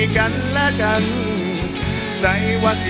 ขอบคุณมาก